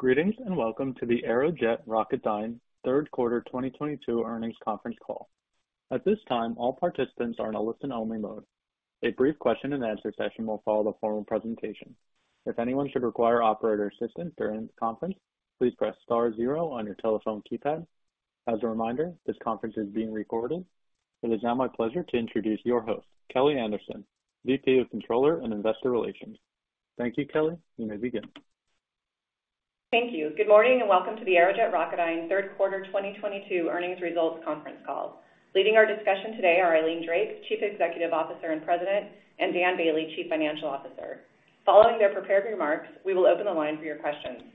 Greetings, and welcome to the Aerojet Rocketdyne third quarter 2022 earnings conference call. At this time, all participants are in a listen-only mode. A brief question-and-answer session will follow the formal presentation. If anyone should require operator assistance during the conference, please press star zero on your telephone keypad. As a reminder, this conference is being recorded. It is now my pleasure to introduce your host, Kelly Anderson, VP of Controller and Investor Relations. Thank you, Kelly. You may begin. Thank you. Good morning, and welcome to the Aerojet Rocketdyne third quarter 2022 earnings results conference call. Leading our discussion today are Eileen Drake, Chief Executive Officer and President, and Dan Boehle, Chief Financial Officer. Following their prepared remarks, we will open the line for your questions.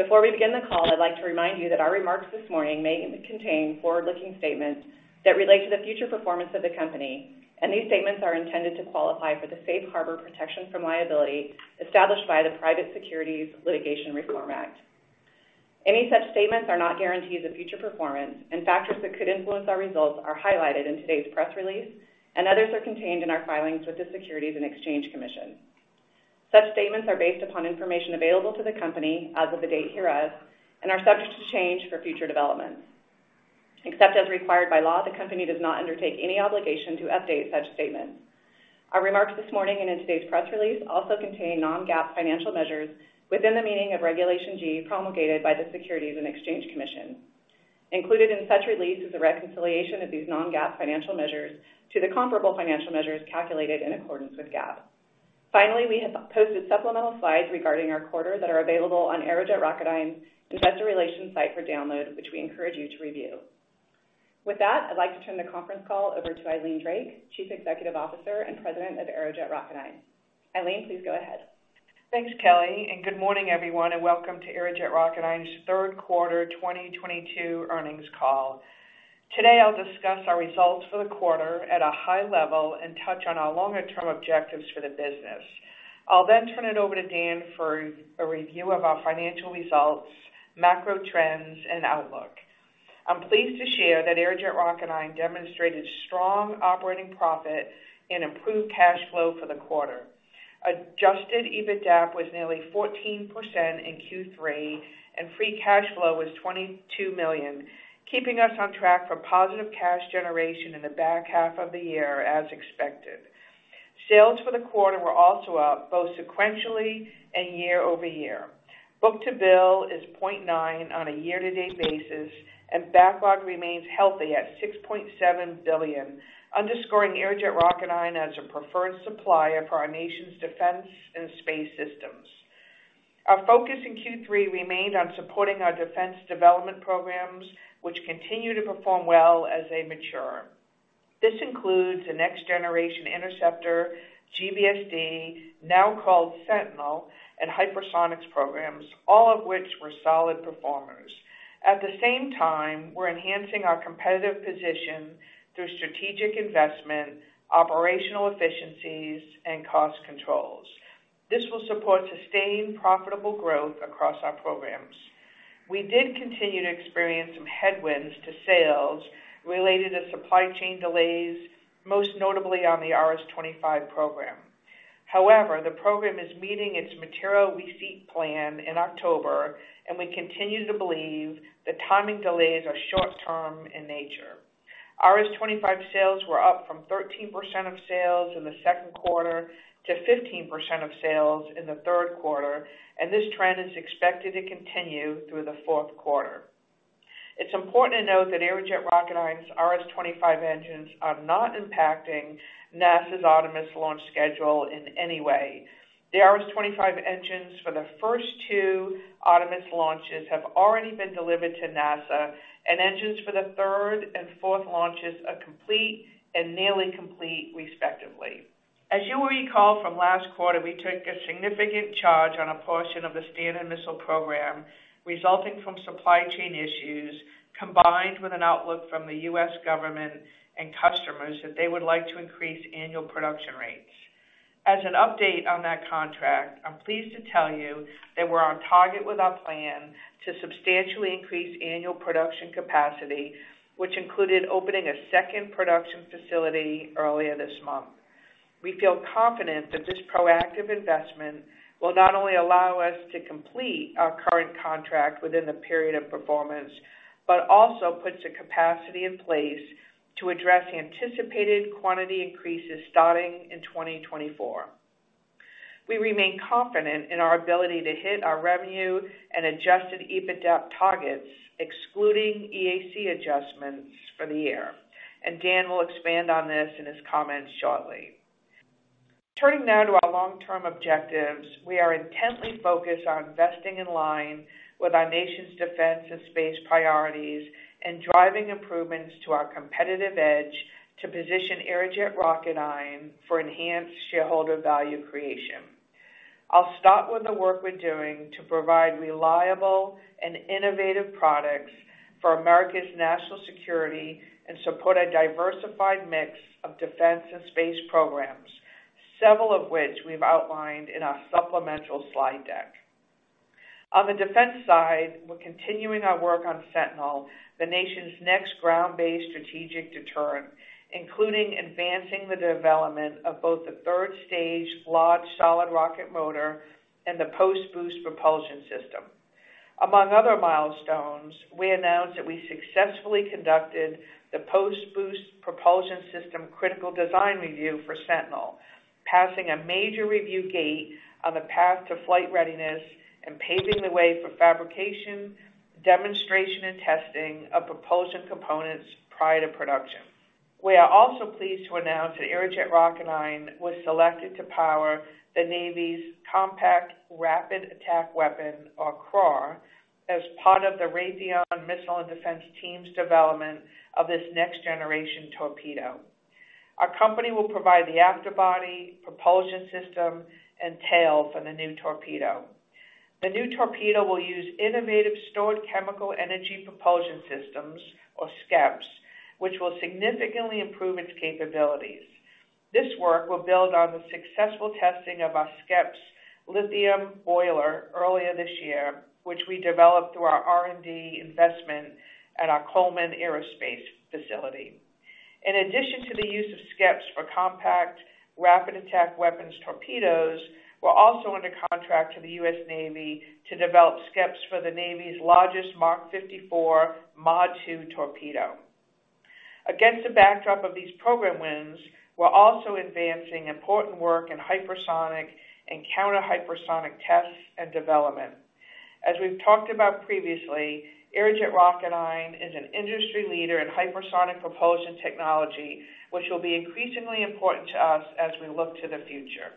Before we begin the call, I'd like to remind you that our remarks this morning may contain forward-looking statements that relate to the future performance of the company, and these statements are intended to qualify for the safe harbor protection from liability established by the Private Securities Litigation Reform Act. Any such statements are not guarantees of future performance, and factors that could influence our results are highlighted in today's press release, and others are contained in our filings with the Securities and Exchange Commission. Such statements are based upon information available to the company as of the date hereof and are subject to change for future developments. Except as required by law, the company does not undertake any obligation to update such statements. Our remarks this morning and in today's press release also contain non-GAAP financial measures within the meaning of Regulation G promulgated by the Securities and Exchange Commission. Included in such release is a reconciliation of these non-GAAP financial measures to the comparable financial measures calculated in accordance with GAAP. Finally, we have posted supplemental slides regarding our quarter that are available on Aerojet Rocketdyne investor relations site for download, which we encourage you to review. With that, I'd like to turn the conference call over to Eileen Drake, Chief Executive Officer and President of Aerojet Rocketdyne. Eileen, please go ahead. Thanks, Kelly, and good morning, everyone, and welcome to Aerojet Rocketdyne's third quarter 2022 earnings call. Today, I'll discuss our results for the quarter at a high level and touch on our longer-term objectives for the business. I'll then turn it over to Dan for a review of our financial results, macro trends, and outlook. I'm pleased to share that Aerojet Rocketdyne demonstrated strong operating profit and improved cash flow for the quarter. Adjusted EBITDA was nearly 14% in Q3, and free cash flow was $22 million, keeping us on track for positive cash generation in the back half of the year as expected. Sales for the quarter were also up, both sequentially and year-over-year. Book-to-bill is 0.9 on a year-to-date basis, and backlog remains healthy at $6.7 billion, underscoring Aerojet Rocketdyne as a preferred supplier for our nation's defense and space systems. Our focus in Q3 remained on supporting our defense development programs, which continue to perform well as they mature. This includes the Next Generation Interceptor, GBSD, now called Sentinel, and hypersonics programs, all of which were solid performers. At the same time, we're enhancing our competitive position through strategic investment, operational efficiencies, and cost controls. This will support sustained, profitable growth across our programs. We did continue to experience some headwinds to sales related to supply chain delays, most notably on the RS-25 program. However, the program is meeting its material receipt plan in October, and we continue to believe the timing delays are short-term in nature. RS-25 sales were up from 13% of sales in the second quarter to 15% of sales in the third quarter, and this trend is expected to continue through the fourth quarter. It's important to note that Aerojet Rocketdyne's RS-25 engines are not impacting NASA's Artemis launch schedule in any way. The RS-25 engines for the first two Artemis launches have already been delivered to NASA, and engines for the third and fourth launches are complete and nearly complete, respectively. As you will recall from last quarter, we took a significant charge on a portion of the Standard Missile Program resulting from supply chain issues, combined with an outlook from the U.S. government and customers that they would like to increase annual production rates. As an update on that contract, I'm pleased to tell you that we're on target with our plan to substantially increase annual production capacity, which included opening a second production facility earlier this month. We feel confident that this proactive investment will not only allow us to complete our current contract within the period of performance, but also puts the capacity in place to address the anticipated quantity increases starting in 2024. We remain confident in our ability to hit our revenue and adjusted EBITDA targets, excluding EAC adjustments for the year. Dan will expand on this in his comments shortly. Turning now to our long-term objectives. We are intently focused on investing in line with our nation's defense and space priorities and driving improvements to our competitive edge to position Aerojet Rocketdyne for enhanced shareholder value creation. I'll start with the work we're doing to provide reliable and innovative products for America's national security and support a diversified mix of defense and space programs, several of which we've outlined in our supplemental slide deck. On the defense side, we're continuing our work on Sentinel, the nation's next ground-based strategic deterrent, including advancing the development of both the third-stage large solid rocket motor and the post-boost propulsion system. Among other milestones, we announced that we successfully conducted the post-boost propulsion system critical design review for Sentinel, passing a major review gate on the path to flight readiness and paving the way for fabrication, demonstration, and testing of propulsion components prior to production. We are also pleased to announce that Aerojet Rocketdyne was selected to power the Navy's Compact Rapid Attack Weapon, or CRAW, as part of the Raytheon Missiles & Defense team's development of this next-generation torpedo. Our company will provide the after-body, propulsion system, and tail for the new torpedo. The new torpedo will use innovative stored chemical energy propulsion systems, or SCEPS, which will significantly improve its capabilities. This work will build on the successful testing of our SCEPS lithium boiler earlier this year, which we developed through our R&D investment at our Coleman Aerospace facility. In addition to the use of SCEPS for Compact Rapid Attack Weapon torpedoes, we're also under contract to the U.S. Navy to develop SCEPS for the Navy's largest Mark 54 Mod 2 torpedo. Against the backdrop of these program wins, we're also advancing important work in hypersonic and counter-hypersonic tests and development. As we've talked about previously, Aerojet Rocketdyne is an industry leader in hypersonic propulsion technology, which will be increasingly important to us as we look to the future.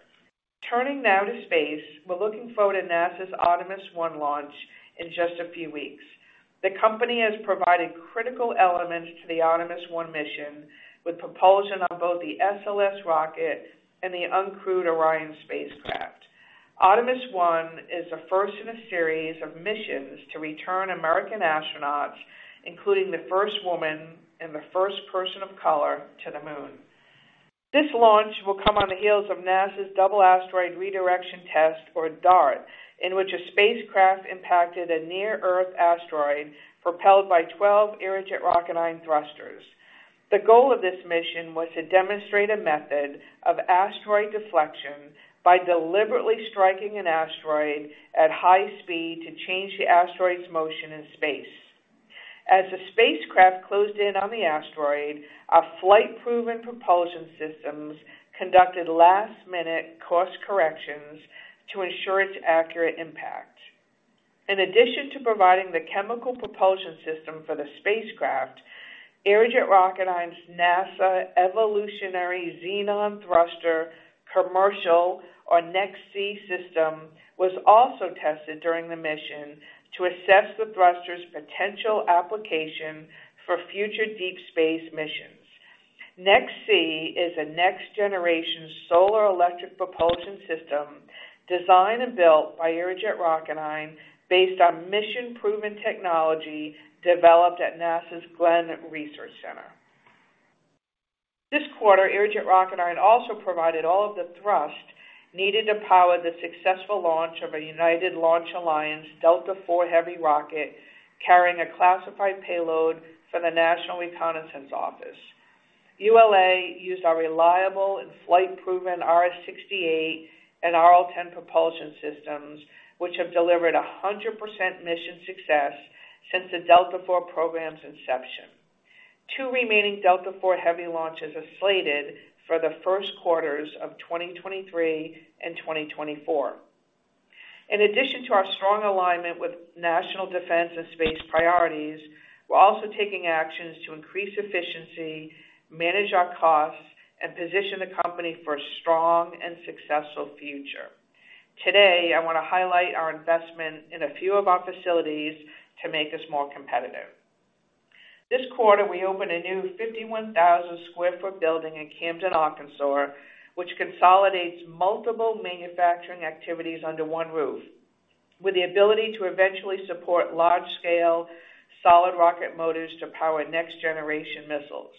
Turning now to space, we're looking forward to NASA's Artemis One launch in just a few weeks. The company has provided critical elements to the Artemis One mission, with propulsion on both the SLS rocket and the uncrewed Orion spacecraft. Artemis I is the first in a series of missions to return American astronauts, including the first woman and the first person of color, to the Moon. This launch will come on the heels of NASA's Double Asteroid Redirection Test, or DART, in which a spacecraft impacted a near-Earth asteroid propelled by 12 Aerojet Rocketdyne thrusters. The goal of this mission was to demonstrate a method of asteroid deflection by deliberately striking an asteroid at high speed to change the asteroid's motion in space. As the spacecraft closed in on the asteroid, our flight-proven propulsion systems conducted last-minute course corrections to ensure its accurate impact. In addition to providing the chemical propulsion system for the spacecraft, Aerojet Rocketdyne's NASA Evolutionary Xenon Thruster - Commercial, or NEXT-C system, was also tested during the mission to assess the thruster's potential application for future deep space missions. NEXT-C is a next-generation solar electric propulsion system designed and built by Aerojet Rocketdyne based on mission-proven technology developed at NASA's Glenn Research Center. This quarter, Aerojet Rocketdyne also provided all of the thrust needed to power the successful launch of a United Launch Alliance Delta IV Heavy rocket carrying a classified payload for the National Reconnaissance Office. ULA used our reliable and flight-proven RS-68 and RL-10 propulsion systems, which have delivered 100% mission success since the Delta IV program's inception. Two remaining Delta IV Heavy launches are slated for the first quarters of 2023 and 2024. In addition to our strong alignment with national defense and space priorities, we're also taking actions to increase efficiency, manage our costs, and position the company for a strong and successful future. Today, I want to highlight our investment in a few of our facilities to make us more competitive. This quarter, we opened a new 51,000 sq ft building in Camden, Arkansas, which consolidates multiple manufacturing activities under one roof, with the ability to eventually support large-scale solid rocket motors to power next-generation missiles.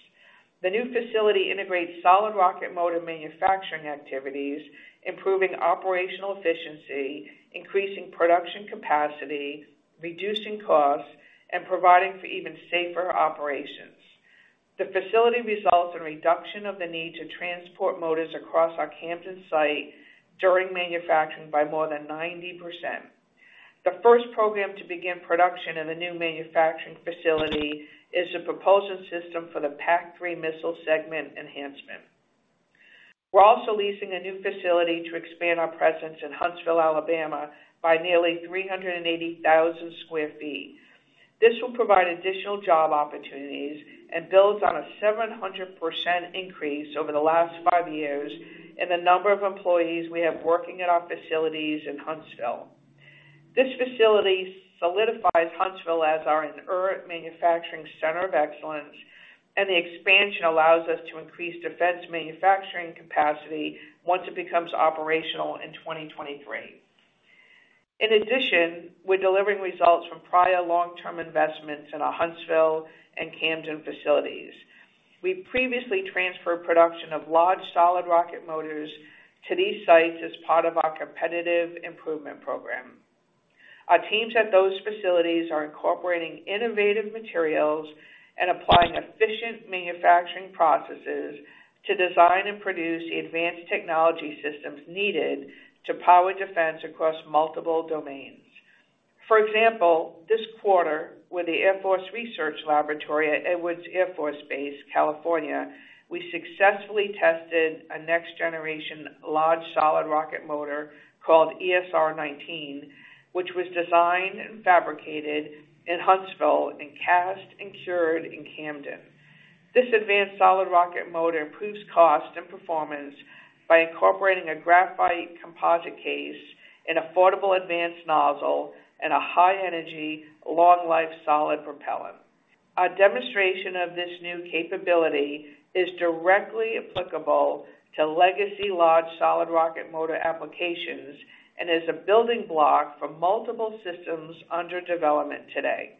The new facility integrates solid rocket motor manufacturing activities, improving operational efficiency, increasing production capacity, reducing costs, and providing for even safer operations. The facility results in reduction of the need to transport motors across our Camden site during manufacturing by more than 90%. The first program to begin production in the new manufacturing facility is the propulsion system for the PAC-3 Missile Segment Enhancement. We're also leasing a new facility to expand our presence in Huntsville, Alabama, by nearly 380,000 sq ft. This will provide additional job opportunities and builds on a 700% increase over the last 5 years in the number of employees we have working at our facilities in Huntsville. This facility solidifies Huntsville as our inert manufacturing center of excellence, and the expansion allows us to increase defense manufacturing capacity once it becomes operational in 2023. In addition, we're delivering results from prior long-term investments in our Huntsville and Camden facilities. We previously transferred production of large solid rocket motors to these sites as part of our competitive improvement program. Our teams at those facilities are incorporating innovative materials and applying efficient manufacturing processes to design and produce the advanced technology systems needed to power defense across multiple domains. For example, this quarter, with the Air Force Research Laboratory at Edwards Air Force Base, California, we successfully tested a next-generation large solid rocket motor called eSR-19, which was designed and fabricated in Huntsville and cast and cured in Camden. This advanced solid rocket motor improves cost and performance by incorporating a graphite composite case, an affordable advanced nozzle, and a high-energy, long-life solid propellant. Our demonstration of this new capability is directly applicable to legacy large solid rocket motor applications and is a building block for multiple systems under development today.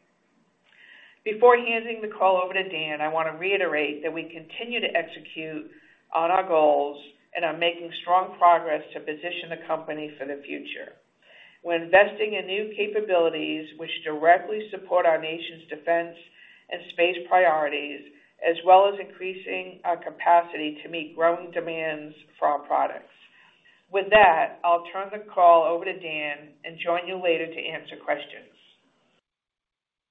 Before handing the call over to Dan, I wanna reiterate that we continue to execute on our goals and are making strong progress to position the company for the future. We're investing in new capabilities which directly support our nation's defense and space priorities, as well as increasing our capacity to meet growing demands for our products. With that, I'll turn the call over to Dan and join you later to answer questions.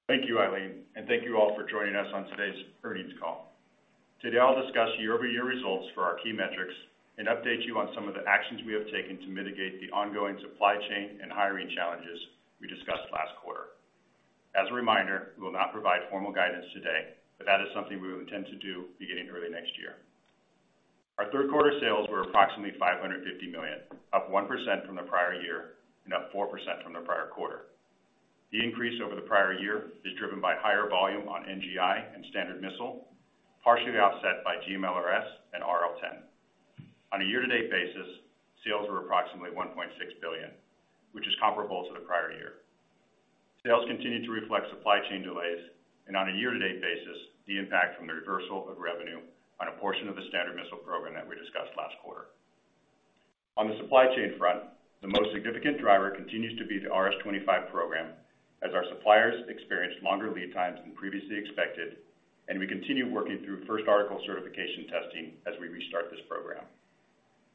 Thank you, Eileen, and thank you all for joining us on today's earnings call. Today, I'll discuss year-over-year results for our key metrics and update you on some of the actions we have taken to mitigate the ongoing supply chain and hiring challenges we discussed last quarter. As a reminder, we will not provide formal guidance today, but that is something we intend to do beginning early next year. Our third quarter sales were approximately $550 million, up 1% from the prior year and up 4% from the prior quarter. The increase over the prior year is driven by higher volume on NGI and Standard Missile, partially offset by GMLRS and RL10. On a year-to-date basis, sales were approximately $1.6 billion, which is comparable to the prior year. Sales continued to reflect supply chain delays and on a year-to-date basis, the impact from the reversal of revenue on a portion of the Standard Missile program that we discussed last quarter. On the supply chain front, the most significant driver continues to be the RS-25 program, as our suppliers experienced longer lead times than previously expected, and we continue working through first article certification testing as we restart this program.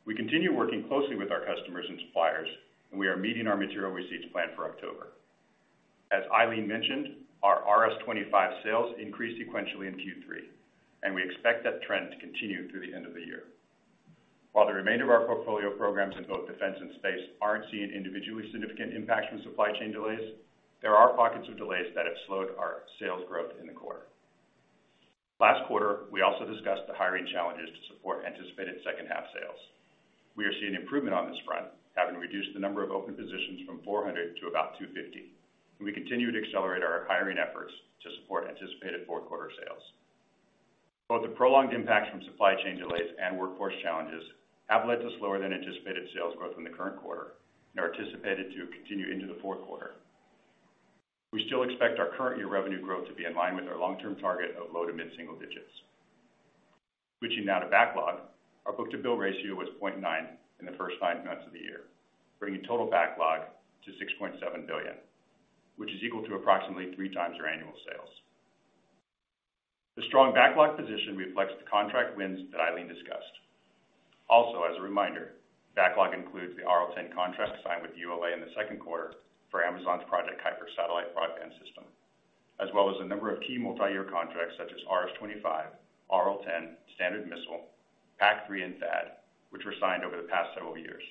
We continue working closely with our customers and suppliers, and we are meeting our material receipts plan for October. As Eileen mentioned, our RS-25 sales increased sequentially in Q3, and we expect that trend to continue through the end of the year. While the remainder of our portfolio programs in both defense and space aren't seeing individually significant impact from supply chain delays, there are pockets of delays that have slowed our sales growth in the quarter. Last quarter, we also discussed the hiring challenges to support anticipated second half sales. We are seeing improvement on this front, having reduced the number of open positions from 400 to about 250. We continue to accelerate our hiring efforts to support anticipated fourth quarter sales. Both the prolonged impact from supply chain delays and workforce challenges have led to slower than anticipated sales growth in the current quarter and are anticipated to continue into the fourth quarter. We still expect our current year revenue growth to be in line with our long-term target of low- to mid-single digits. Switching now to backlog, our book-to-bill ratio was 0.9 in the first nine months of the year, bringing total backlog to $6.7 billion, which is equal to approximately three times our annual sales. The strong backlog position reflects the contract wins that Eileen discussed. As a reminder, backlog includes the RL-10 contract signed with ULA in the second quarter for Amazon's Project Kuiper satellite broadband system, as well as a number of key multi-year contracts such as RS-25, RL-10, Standard Missile, PAC-3, and THAAD, which were signed over the past several years.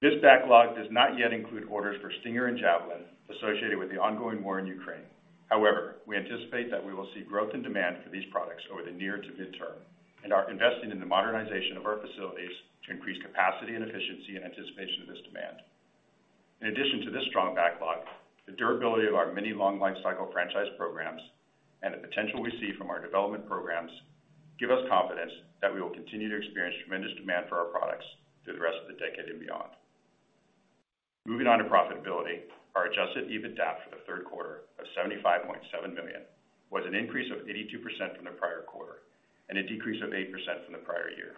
This backlog does not yet include orders for Stinger and Javelin associated with the ongoing war in Ukraine. However, we anticipate that we will see growth and demand for these products over the near to midterm and are investing in the modernization of our facilities to increase capacity and efficiency in anticipation of this demand. In addition to this strong backlog, the durability of our many long lifecycle franchise programs and the potential we see from our development programs give us confidence that we will continue to experience tremendous demand for our products through the rest of the decade and beyond. Moving on to profitability, our adjusted EBITDAP for the third quarter of $75.7 million was an increase of 82% from the prior quarter and a decrease of 8% from the prior year.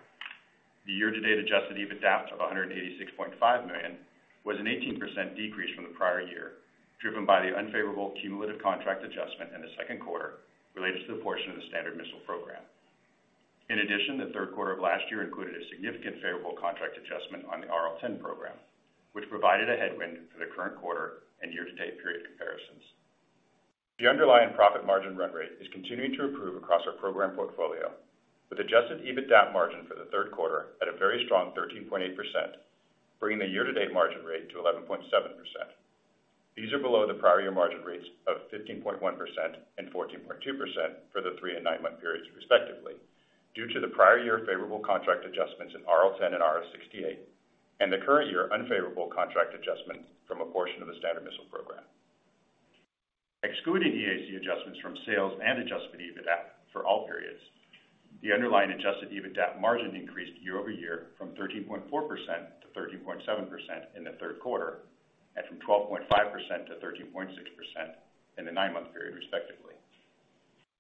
The year-to-date Adjusted EBITDA of $186.5 million was an 18% decrease from the prior year, driven by the unfavorable cumulative contract adjustment in the second quarter related to the portion of the Standard Missile program. In addition, the third quarter of last year included a significant favorable contract adjustment on the RL-10 program, which provided a headwind for the current quarter and year-to-date period comparisons. The underlying profit margin run rate is continuing to improve across our program portfolio, with adjusted EBITDAP margin for the third quarter at a very strong 13.8%, bringing the year-to-date margin rate to 11.7%. These are below the prior year margin rates of 15.1% and 14.2% for the three- and nine-month periods, respectively, due to the prior year favorable contract adjustments in RL-10 and RS-68 and the current year unfavorable contract adjustment from a portion of the Standard Missile program. Excluding EAC adjustments from sales and Adjusted EBITDA for all periods, the underlying Adjusted EBITDA margin increased year-over-year from 13.4%-13.7% in the third quarter and from 12.5%-13.6% in the nine-month period, respectively.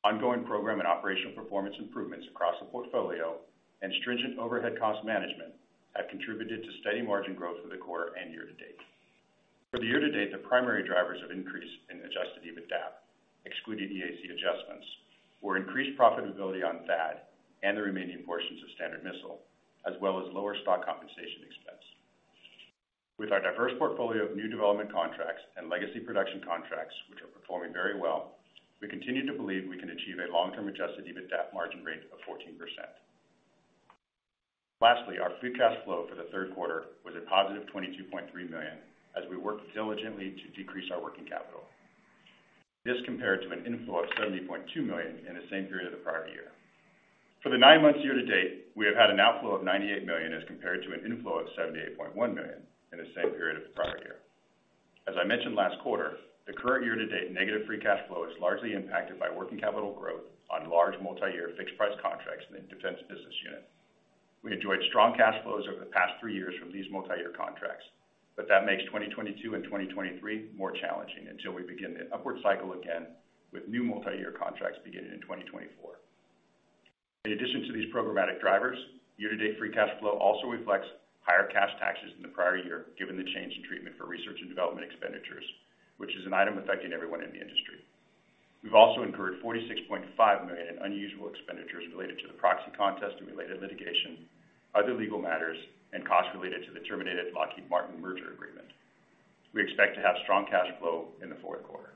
Ongoing program and operational performance improvements across the portfolio and stringent overhead cost management have contributed to steady margin growth for the quarter and year-to-date. For the year-to-date, the primary drivers of increase in Adjusted EBITDA excluding the AC adjustments were increased profitability on THAAD and the remaining portions of Standard Missile, as well as lower stock compensation expense. With our diverse portfolio of new development contracts and legacy production contracts, which are performing very well, we continue to believe we can achieve a long-term Adjusted EBITDA margin rate of 14%. Lastly, our free cash flow for the third quarter was a positive $22.3 million as we worked diligently to decrease our working capital. This compared to an inflow of $70.2 million in the same period of the prior year. For the nine months year-to-date, we have had an outflow of $98 million as compared to an inflow of $78.1 million in the same period of the prior year. As I mentioned last quarter, the current year-to-date negative free cash flow is largely impacted by working capital growth on large multi-year fixed-price contracts in the defense business unit. We enjoyed strong cash flows over the past three years from these multi-year contracts, but that makes 2022 and 2023 more challenging until we begin the upward cycle again with new multi-year contracts beginning in 2024. In addition to these programmatic drivers, year-to-date free cash flow also reflects higher cash taxes than the prior year, given the change in treatment for research and development expenditures, which is an item affecting everyone in the industry. We've also incurred $46.5 million in unusual expenditures related to the proxy contest and related litigation, other legal matters, and costs related to the terminated Lockheed Martin merger agreement. We expect to have strong cash flow in the fourth quarter.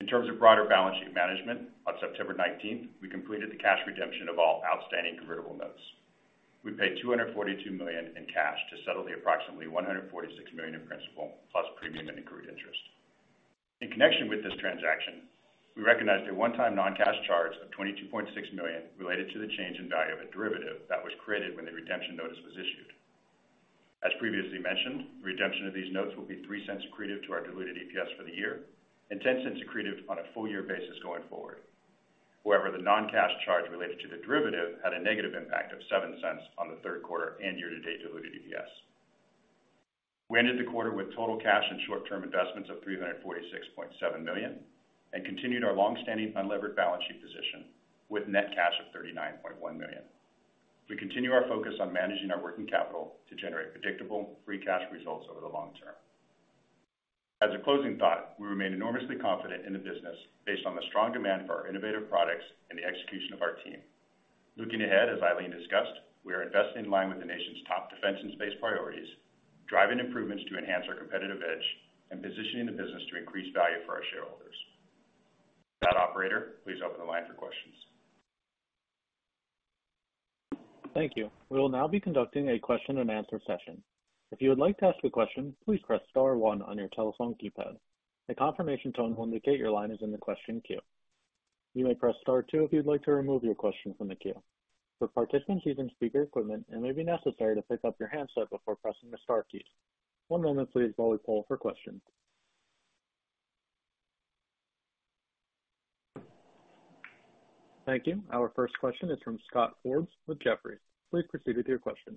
In terms of broader balance sheet management, on September 19, we completed the cash redemption of all outstanding convertible notes. We paid $242 million in cash to settle the approximately $146 million in principal plus premium and accrued interest. In connection with this transaction, we recognized a one-time non-cash charge of $22.6 million related to the change in value of a derivative that was created when the redemption notice was issued. As previously mentioned, redemption of these notes will be $0.03 accretive to our diluted EPS for the year and $0.10 accretive on a full year basis going forward. However, the non-cash charge related to the derivative had a negative impact of $0.07 on the third quarter and year-to-date diluted EPS. We ended the quarter with total cash and short-term investments of $346.7 million and continued our long-standing unlevered balance sheet position with net cash of $39.1 million. We continue our focus on managing our working capital to generate predictable free cash flow over the long term. As a closing thought, we remain enormously confident in the business based on the strong demand for our innovative products and the execution of our team. Looking ahead, as Eileen discussed, we are investing in line with the nation's top defense and space priorities, driving improvements to enhance our competitive edge and positioning the business to increase value for our shareholders. With that, operator, please open the line for questions. Thank you. We will now be conducting a question and answer session. If you would like to ask a question, please press star one on your telephone keypad. A confirmation tone will indicate your line is in the question queue. You may press star two if you'd like to remove your question from the queue. For participants using speaker equipment, it may be necessary to pick up your handset before pressing the star keys. One moment please while we poll for questions. Thank you. Our first question is from Scott Deuschle with Jefferies. Please proceed with your question.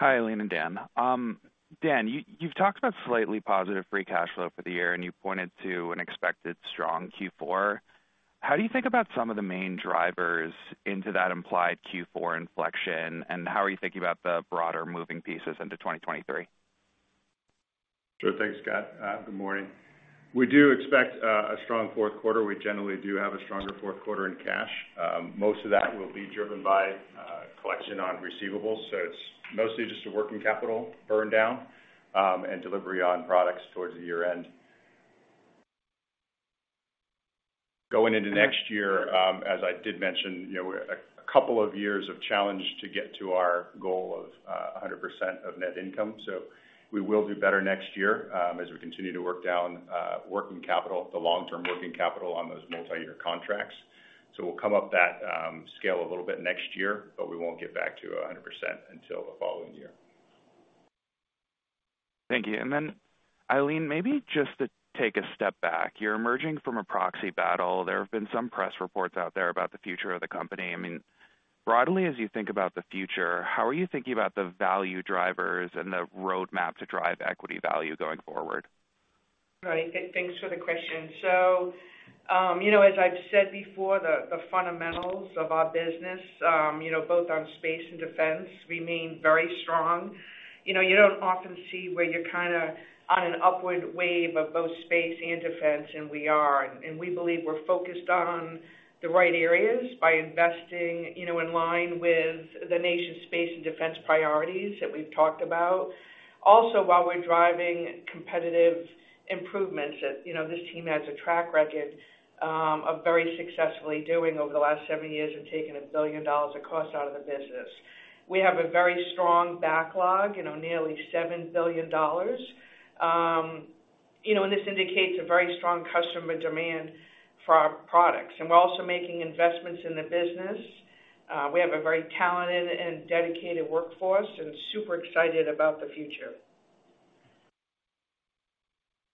Hi, Eileen and Dan. Dan, you've talked about slightly positive free cash flow for the year, and you pointed to an expected strong Q4. How do you think about some of the main drivers into that implied Q4 inflection, and how are you thinking about the broader moving pieces into 2023? Sure. Thanks, Scott. Good morning. We do expect a strong fourth quarter. We generally do have a stronger fourth quarter in cash. Most of that will be driven by collection on receivables, so it's mostly just a working capital burn down, and delivery on products towards the year-end. Going into next year, as I did mention, you know, we're a couple of years of challenge to get to our goal of 100% of net income. We will do better next year, as we continue to work down working capital, the long-term working capital on those multi-year contracts. We'll come up that scale a little bit next year, but we won't get back to 100% until the following year. Thank you. Eileen, maybe just to take a step back. You're emerging from a proxy battle. There have been some press reports out there about the future of the company. I mean, broadly, as you think about the future, how are you thinking about the value drivers and the roadmap to drive equity value going forward? Right. Thanks for the question. You know, as I've said before, the fundamentals of our business, you know, both on space and defense remain very strong. You know, you don't often see where you're kinda on an upward wave of both space and defense, and we are. We believe we're focused on the right areas by investing, you know, in line with the nation's space and defense priorities that we've talked about. Also, while we're driving competitive improvements that, you know, this team has a track record of very successfully doing over the last seven years of taking $1 billion of costs out of the business. We have a very strong backlog, you know, nearly $7 billion. You know, this indicates a very strong customer demand for our products. We're also making investments in the business. We have a very talented and dedicated workforce and super excited about the future.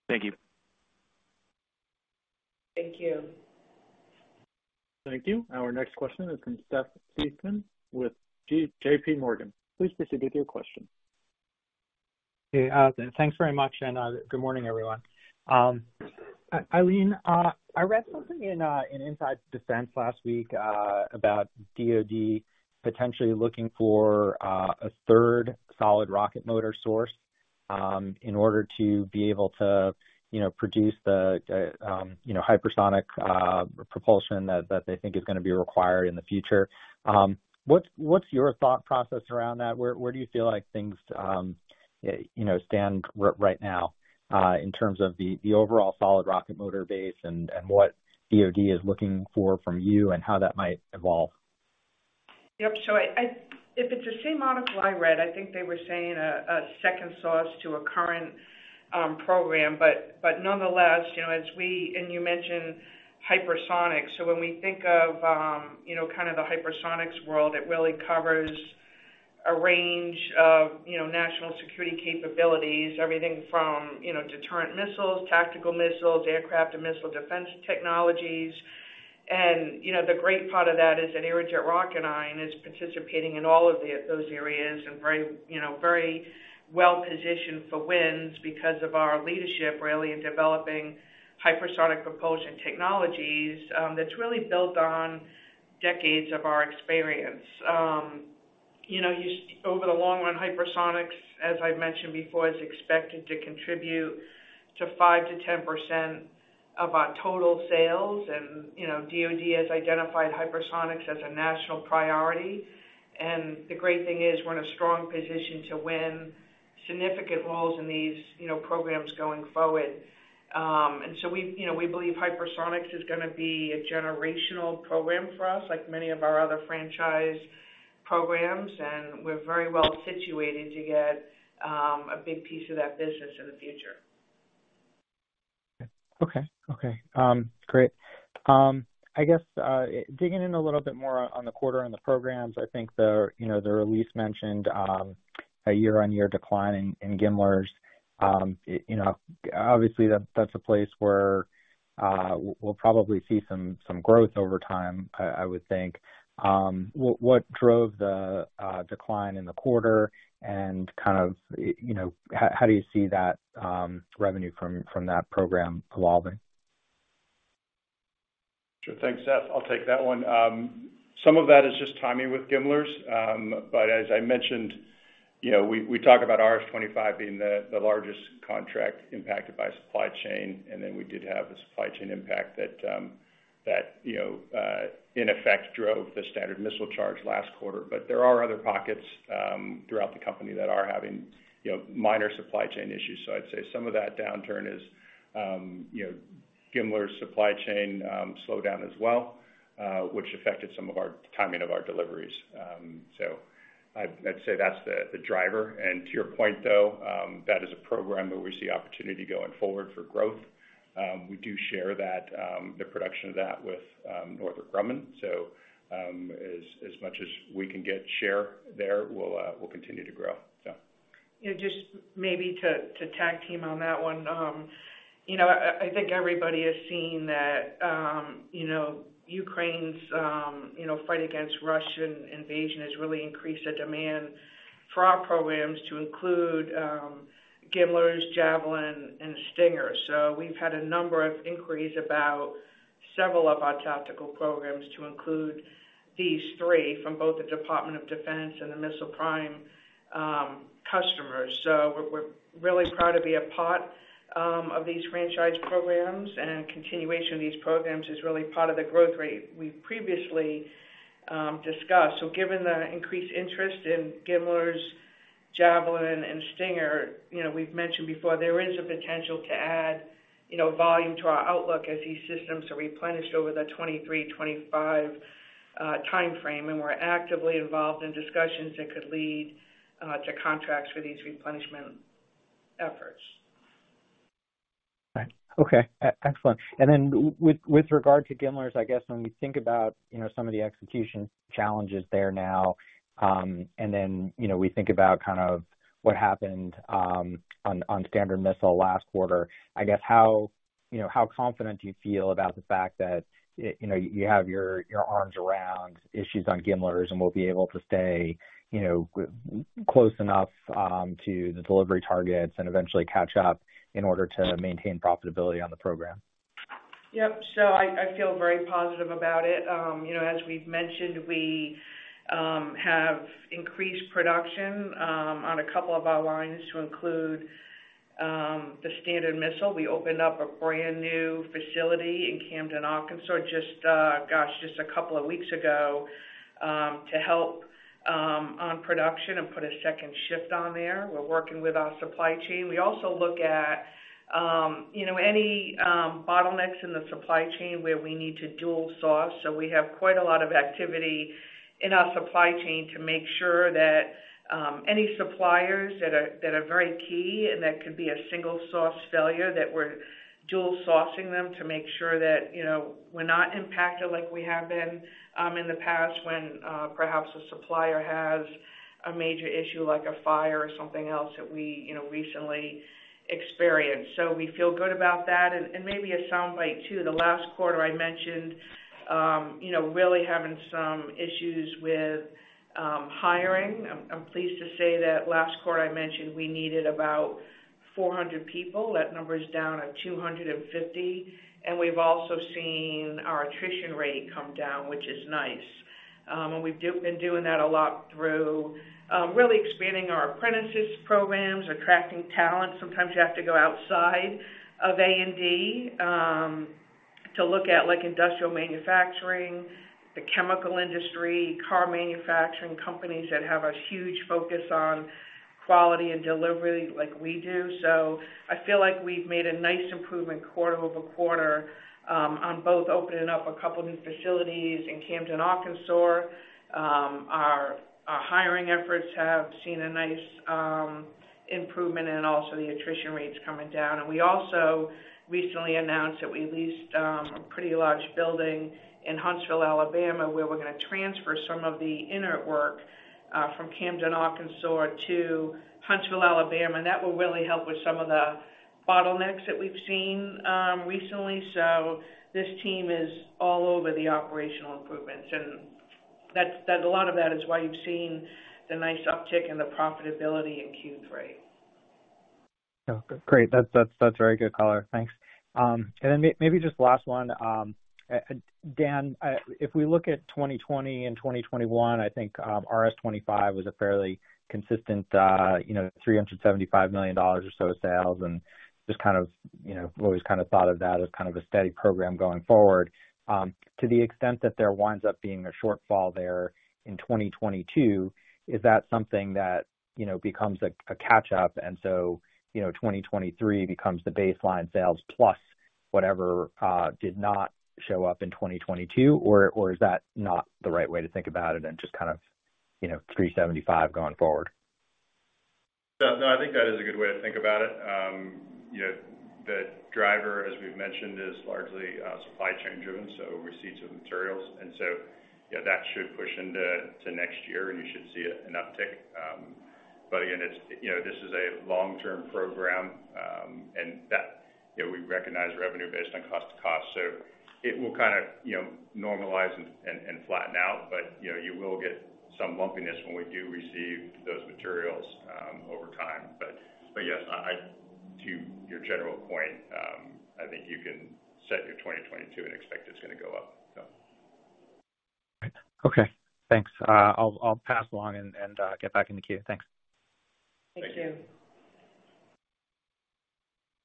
Thank you. Thank you. Thank you. Our next question is from Seth Seifman with JP Morgan. Please proceed with your question. Hey, thanks very much and good morning, everyone. Eileen, I read something in Inside Defense last week about DoD potentially looking for a third solid rocket motor source. In order to be able to, you know, produce the, you know, hypersonic propulsion that they think is gonna be required in the future. What's your thought process around that? Where do you feel like things, you know, stand right now, in terms of the overall solid rocket motor base and what DoD is looking for from you and how that might evolve? Yep. If it's the same article I read, I think they were saying a second source to a current program. Nonetheless, you know, as we and you mentioned hypersonics. When we think of, you know, kind of the hypersonics world, it really covers a range of, you know, national security capabilities, everything from, you know, deterrent missiles, tactical missiles, aircraft and missile defense technologies. You know, the great part of that is that Aerojet Rocketdyne is participating in all of those areas and very well-positioned for wins because of our leadership, really, in developing hypersonic propulsion technologies, that's really built on decades of our experience. Over the long run, hypersonics, as I've mentioned before, is expected to contribute to 5%-10% of our total sales. You know, DOD has identified hypersonics as a national priority. The great thing is we're in a strong position to win significant roles in these, you know, programs going forward. We, you know, we believe hypersonics is gonna be a generational program for us, like many of our other franchise programs, and we're very well-situated to get a big piece of that business in the future. Great. I guess digging in a little bit more on the quarter on the programs. I think the release mentioned a year-on-year decline in GMLRS. You know, obviously, that's a place where we'll probably see some growth over time, I would think. What drove the decline in the quarter and kind of how do you see that revenue from that program evolving? Sure. Thanks, Seth. I'll take that one. Some of that is just timing with GMLRS. As I mentioned, you know, we talk about RS-25 being the largest contract impacted by supply chain, and then we did have a supply chain impact that in effect drove the Standard Missile charge last quarter. There are other pockets throughout the company that are having, you know, minor supply chain issues. I'd say some of that downturn is, you know, GMLRS supply chain slowdown as well, which affected some of our timing of our deliveries. I'd say that's the driver. To your point, though, that is a program where we see opportunity going forward for growth. We do share that the production of that with Northrop Grumman. As much as we can get share there, we'll continue to grow. Yeah, just maybe to tag team on that one. You know, I think everybody has seen that, you know, Ukraine's you know, fight against Russian invasion has really increased the demand for our programs to include GMLRS, Javelin, and Stinger. We've had a number of inquiries about several of our tactical programs to include these three from both the Department of Defense and the missile prime customers. We're really proud to be a part of these franchise programs. Continuation of these programs is really part of the growth rate we previously discussed. Given the increased interest in GMLRS, Javelin, and Stinger, you know, we've mentioned before there is a potential to add, you know, volume to our outlook as these systems are replenished over the 2023-2025 timeframe. We're actively involved in discussions that could lead to contracts for these replenishment efforts. Okay. Excellent. With regard to GMLRS, I guess when we think about, you know, some of the execution challenges there now, and then, you know, we think about kind of what happened on Standard Missile last quarter. I guess how, you know, how confident do you feel about the fact that, you know, you have your arms around issues on GMLRS and will be able to stay, you know, close enough to the delivery targets and eventually catch up in order to maintain profitability on the program? Yep. I feel very positive about it. You know, as we've mentioned, we have increased production on a couple of our lines to include the Standard Missile. We opened up a brand-new facility in Camden, Arkansas, just a couple of weeks ago to help on production and put a second shift on there. We're working with our supply chain. We also look at you know, any bottlenecks in the supply chain where we need to dual source. We have quite a lot of activity in our supply chain to make sure that any suppliers that are very key and that could be a single source failure, that we're dual sourcing them to make sure that, you know, we're not impacted like we have been in the past when perhaps a supplier has a major issue like a fire or something else that we, you know, recently experienced. We feel good about that. And maybe a soundbite too. The last quarter I mentioned really having some issues with hiring. I'm pleased to say that last quarter I mentioned we needed about 400 people. That number is down at 250. We've also seen our attrition rate come down, which is nice. We've been doing that a lot through really expanding our apprenticeship programs, attracting talent. Sometimes you have to go outside of A&D to look at, like, industrial manufacturing, the chemical industry, car manufacturing companies that have a huge focus on quality and delivery like we do. I feel like we've made a nice improvement quarter-over-quarter on both opening up a couple new facilities in Camden, Arkansas. Our hiring efforts have seen a nice improvement and also the attrition rates coming down. We also recently announced that we leased a pretty large building in Huntsville, Alabama, where we're gonna transfer some of the inert work from Camden, Arkansas, to Huntsville, Alabama. That will really help with some of the bottlenecks that we've seen recently. This team is all over the operational improvements, and that's. A lot of that is why you've seen the nice uptick in the profitability in Q3. Oh, great. That's very good color. Thanks. Maybe just last one. Dan, if we look at 2020 and 2021, I think RS-25 was a fairly consistent, you know, $375 million or so of sales. Just kind of, you know, we always kind of thought of that as kind of a steady program going forward. To the extent that there winds up being a shortfall there in 2022, is that something that, you know, becomes a catch up and so, you know, 2023 becomes the baseline sales plus whatever did not show up in 2022? Or is that not the right way to think about it and just kind of, you know, 375 going forward? No, I think that is a good way to think about it. You know, the driver, as we've mentioned, is largely supply chain driven, so receipts of materials. Yeah, that should push into next year, and you should see an uptick. But again, it's you know, this is a long-term program, and that, you know, we recognize revenue based on cost to cost. So it will kinda normalize and flatten out. You know, you will get some bumpiness when we do receive those materials over time. Yes, to your general point, I think you can set your 2022 and expect it's gonna go up. So. Okay, thanks. I'll pass along and get back in the queue. Thanks. Thank you. Thank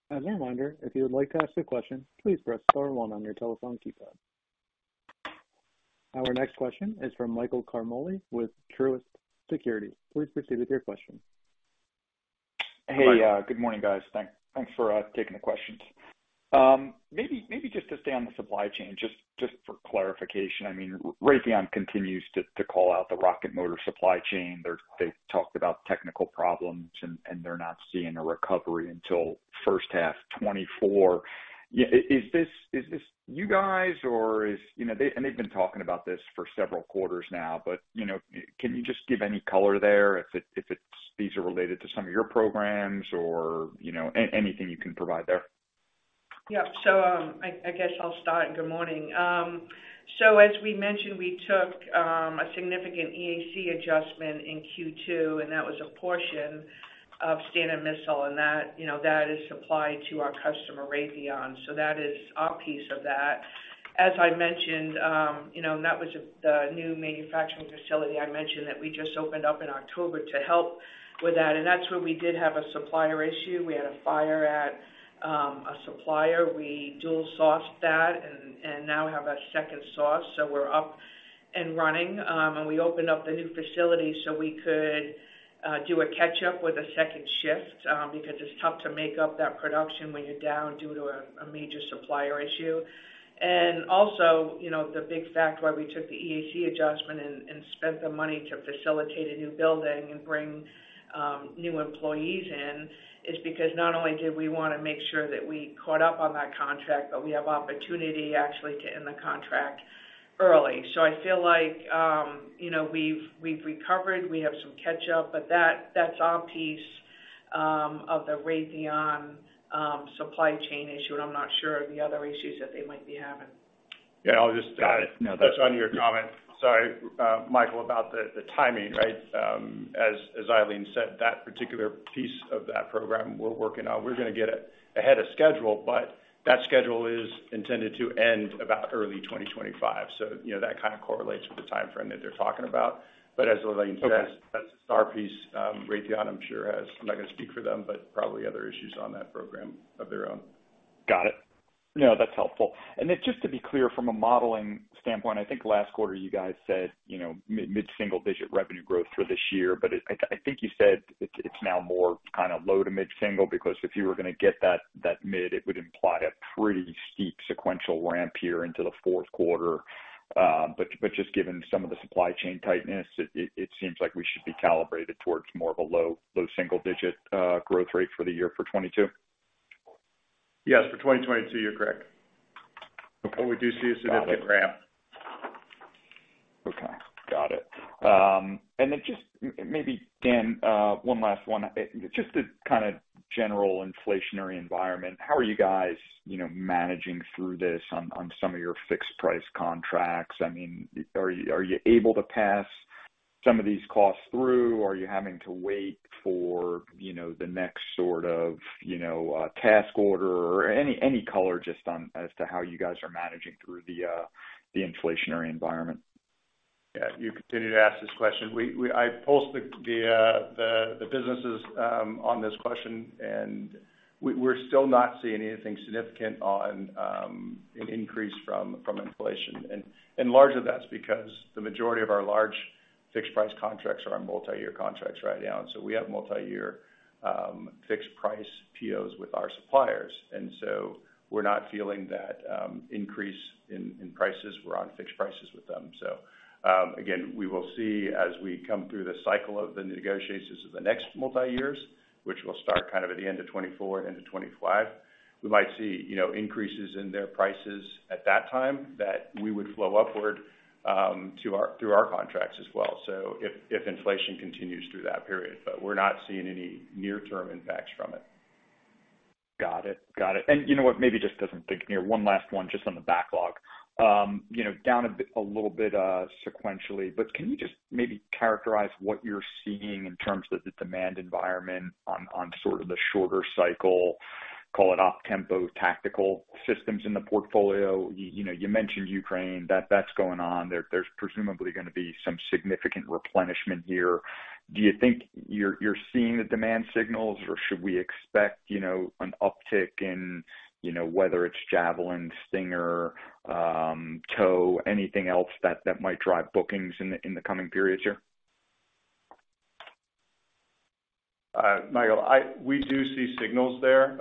you. As a reminder, if you would like to ask a question, please press star one on your telephone keypad. Our next question is from Michael Ciarmoli with Truist Securities. Please proceed with your question. Hey, good morning, guys. Thanks for taking the questions. Maybe just to stay on the supply chain, just for clarification. I mean, Raytheon continues to call out the rocket motor supply chain. They've talked about technical problems, and they're not seeing a recovery until first half 2024. Yeah. Is this you guys or is. You know, they've been talking about this for several quarters now, but, you know, can you just give any color there if it's these are related to some of your programs or, you know, anything you can provide there? Yeah. I guess I'll start. Good morning. As we mentioned, we took a significant EAC adjustment in Q2, and that was a portion of Standard Missile, and that, you know, that is supplied to our customer, Raytheon. That is our piece of that. As I mentioned, that was the new manufacturing facility I mentioned that we just opened up in October to help with that. That's where we did have a supplier issue. We had a fire at a supplier. We dual sourced that and now have a second source, so we're up and running. We opened up the new facility so we could do a catch up with a second shift, because it's tough to make up that production when you're down due to a major supplier issue. Also, you know, the big fact why we took the EAC adjustment and spent the money to facilitate a new building and bring new employees in, is because not only did we wanna make sure that we caught up on that contract, but we have opportunity actually to end the contract early. I feel like, you know, we've recovered, we have some catch up, but that's our piece of the Raytheon supply chain issue. I'm not sure of the other issues that they might be having. Yeah. Got it. No, that's- Just on your comment, sorry, Michael, about the timing, right? As Eileen said, that particular piece of that program we're working on, we're gonna get it ahead of schedule, but that schedule is intended to end about early 2025. You know, that kind of correlates with the timeframe that they're talking about. As Eileen says- Okay. That's our piece. Raytheon, I'm sure, has, I'm not gonna speak for them, but probably other issues on that program of their own. Got it. No, that's helpful. Then just to be clear from a modeling standpoint, I think last quarter you guys said, you know, mid single digit revenue growth for this year. I think you said it's now more kind of low- to mid-single-digit, because if you were gonna get that mid, it would imply a pretty steep sequential ramp here into the fourth quarter. Just given some of the supply chain tightness, it seems like we should be calibrated towards more of a low single digit growth rate for the year for 2022. Yes, for 2022, you're correct. Okay. We do see a significant ramp. Okay, got it. Just maybe, Dan, one last one. Just the kind of general inflationary environment, how are you guys managing through this on some of your fixed price contracts? I mean, are you able to pass some of these costs through. Are you having to wait for the next sort of task order or any color just on as to how you guys are managing through the inflationary environment? Yeah. You continue to ask this question. I posed the question to the businesses, and we're still not seeing anything significant in an increase from inflation. Largely that's because the majority of our large fixed price contracts are on multi-year contracts right now. We have multi-year fixed price POs with our suppliers. We're not feeling that increase in prices. We're on fixed prices with them. Again, we will see as we come through the cycle of the negotiations of the next multi-years, which will start kind of at the end of 2024 into 2025. We might see, you know, increases in their prices at that time that we would flow upward through our contracts as well, so if inflation continues through that period. We're not seeing any near-term impacts from it. One last one just on the backlog. You know, down a bit, a little bit, sequentially, but can you just maybe characterize what you're seeing in terms of the demand environment on sort of the shorter cycle, call it off-tempo tactical systems in the portfolio? You know, you mentioned Ukraine. That's going on. There's presumably gonna be some significant replenishment here. Do you think you're seeing the demand signals, or should we expect, you know, an uptick in, you know, whether it's Javelin, Stinger, TOW, anything else that might drive bookings in the coming periods here? Michael, we do see signals there,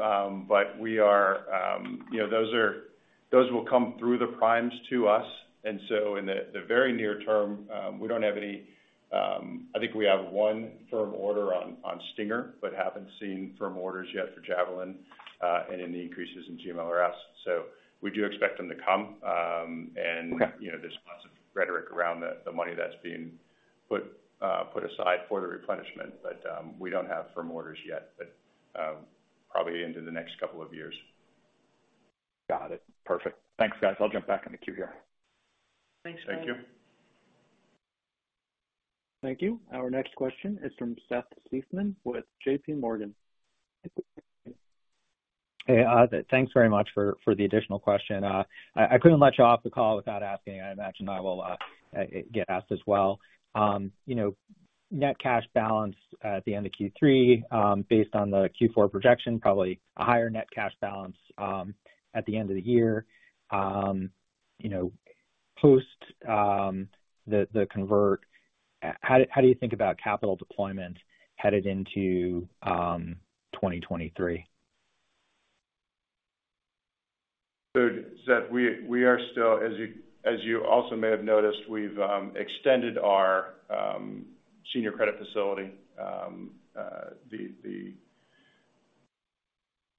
but we are, you know, those will come through the primes to us. In the very near term, we don't have any. I think we have one firm order on Stinger, but haven't seen firm orders yet for Javelin, and any increases in GMLRS. We do expect them to come. Okay. You know, there's lots of rhetoric around the money that's being put aside for the replenishment. We don't have firm orders yet, but probably into the next couple of years. Got it. Perfect. Thanks, guys. I'll jump back in the queue here. Thanks, Michael. Thank you. Thank you. Our next question is from Seth Seifman with JPMorgan. Hey, thanks very much for the additional question. I couldn't let you off the call without asking. I imagine I will get asked as well. You know, net cash balance at the end of Q3, based on the Q4 projection, probably a higher net cash balance at the end of the year, you know, post the convert. How do you think about capital deployment headed into 2023? Seth, we are still, as you also may have noticed, we've extended our senior credit facility. The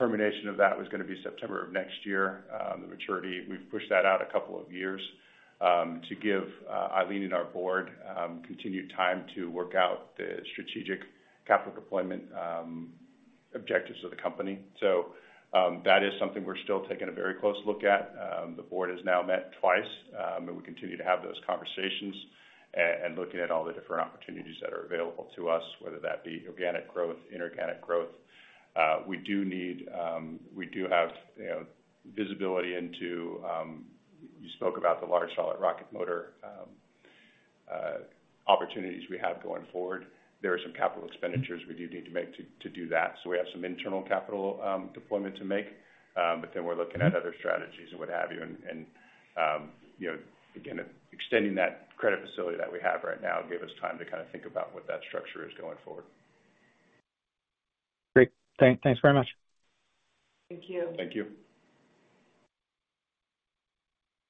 termination of that was gonna be September of next year, the maturity. We've pushed that out a couple of years, to give Eileen Drake and our board continued time to work out the strategic capital deployment objectives of the company. That is something we're still taking a very close look at. The board has now met twice, and we continue to have those conversations and looking at all the different opportunities that are available to us, whether that be organic growth, inorganic growth. We do have, you know, visibility into. You spoke about the large solid rocket motor opportunities we have going forward. There are some capital expenditures we do need to make to do that. We have some internal capital deployment to make. We're looking at other strategies and what have you. You know, again, extending that credit facility that we have right now gave us time to kind of think about what that structure is going forward. Great. Thanks very much. Thank you. Thank you.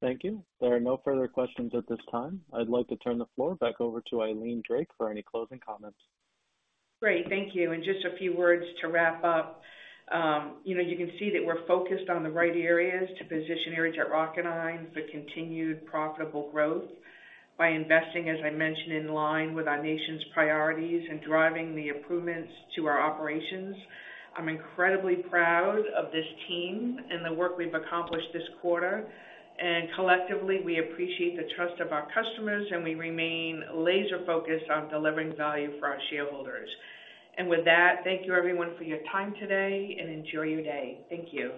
Thank you. There are no further questions at this time. I'd like to turn the floor back over to Eileen Drake for any closing comments. Great. Thank you. Just a few words to wrap up. You know, you can see that we're focused on the right areas to position Aerojet Rocketdyne for continued profitable growth by investing, as I mentioned, in line with our nation's priorities and driving the improvements to our operations. I'm incredibly proud of this team and the work we've accomplished this quarter. Collectively, we appreciate the trust of our customers, and we remain laser focused on delivering value for our shareholders. With that, thank you everyone for your time today, and enjoy your day. Thank you.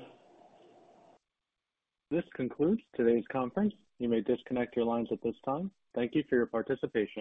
This concludes today's conference. You may disconnect your lines at this time. Thank you for your participation.